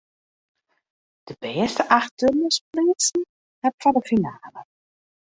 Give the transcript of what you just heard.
De bêste acht turners pleatsten har foar de finale.